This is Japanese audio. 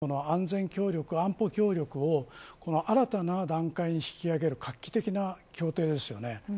そこに岸田総理がいう日豪の安全協力、安保協力を新たな段階に引き上げる画期的な協定ですよね。